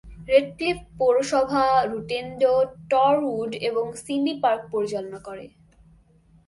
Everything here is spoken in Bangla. রেডক্লিফ পৌরসভা রুটেনডো, টরউড এবং সিমবি পার্ক পরিচালনা করে।